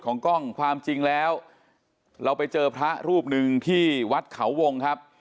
กล้องความจริงแล้วเราไปเจอพระรูปหนึ่งที่วัดเขาวงครับ